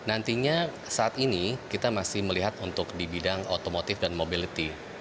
nantinya saat ini kita masih melihat untuk di bidang otomotif dan mobility